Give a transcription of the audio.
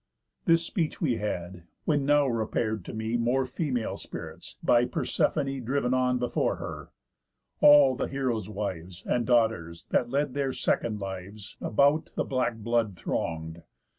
This speech we had; when now repair'd to me More female spirits, by Persephoné Driv'n on before her. All th' heroës' wives, And daughters, that led there their second lives, About the black blood throng'd.